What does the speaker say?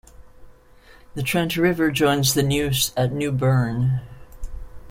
The Trent River joins the Neuse at New Bern.